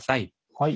はい。